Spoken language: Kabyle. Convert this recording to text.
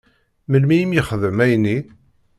Melmi i m-yexdem ayenni?